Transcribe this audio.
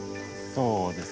そうですね。